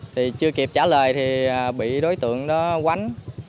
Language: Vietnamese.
thì chưa kịp trả lời thì bị đối tượng đó quánh